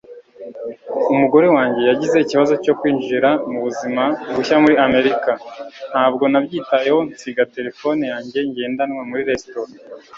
umugore wanjye yagize ikibazo cyo kwinjira mubuzima bushya muri amerika. ntabwo nabyitayeho nsiga terefone yanjye ngendanwa muri resitora